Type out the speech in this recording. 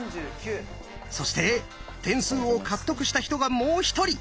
そして点数を獲得した人がもう一人。